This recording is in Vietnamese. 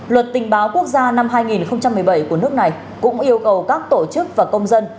luật tình báo quốc gia năm hai nghìn một mươi bảy của nước này cũng yêu cầu các tổ chức và công dân